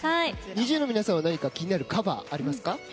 ＮｉｚｉＵの皆さんは何か気になるカバーありますか？